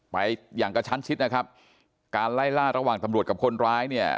ไปอย่างกระชั้นชิดนะครับการไล่ล่าระหว่างตำรวจกับคนร้ายเนี่ย